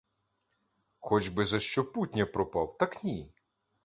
Хоч би за що путнє пропав — так ні!